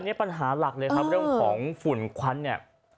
ปัญหาหลักเลยครับเรื่องของฝุ่นควันเนี่ย